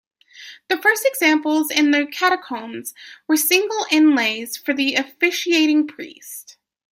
The first examples in the catacombs were single inlays for the officiating priest.